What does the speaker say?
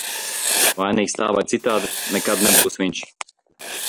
Vainīgs, tā vai citādi, nekad nebūs viņš.